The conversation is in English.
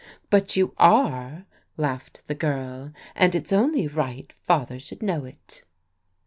" But you are," laughed the girl, " and it's only right Father should know it."